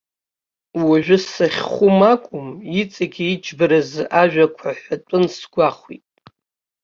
Уажәы сахьхәы акәым, иҵегьы иџьбараз ажәақәа ҳәатәын сгәахәт.